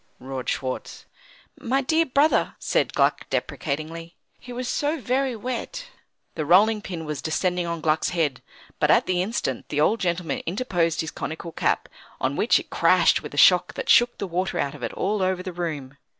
roared Schwartz. "My dear brother," said Gluck, deprecatingly, "he was so very wet!" The rolling pin was descending on Gluck's head; but at the instant the old gentleman interposed his conical cap, on which it crashed with a shock that shook the water out of it all over the room.